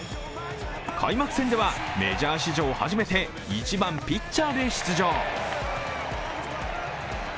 開幕戦ではメジャー史上初めて１番・ピッチャーで出場。